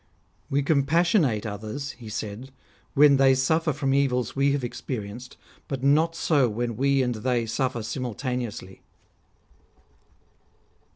" We compassionate others," he said, " when they suffer from evils we have experienced ; but not so when we and they suff'er simultaneously."